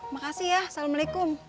makasih ya assalamualaikum